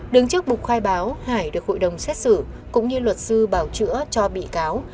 đứng trước bục khai báo hải được hội đồng xét xử cũng như luật sư bảo chữa cho bị cáo